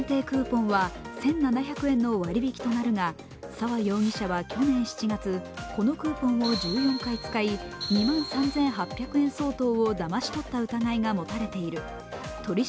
クーポンは１７００円の割引となるが沢容疑者は去年７月、このクーポンを１４回使い、２万３８００円相当をだまし取った疑いが持たれています。